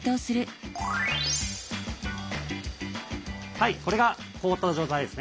はいこれが凍った状態ですね。